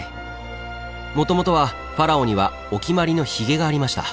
もともとはファラオにはお決まりのひげがありました。